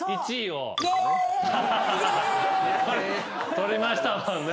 取りましたもんね。